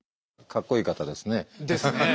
かっこいいですね。